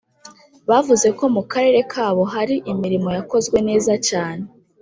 bavuze ko mu karere kabo hari imirimo yakozwe neza cyane